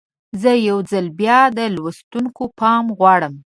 زه یو ځل بیا د لوستونکو پام غواړم.